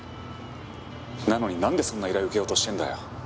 「なのになんでそんな依頼受けようとしてんだよ！」